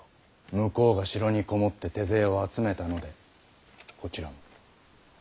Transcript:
向こうが城に籠もって手勢を集めたのでこちらも。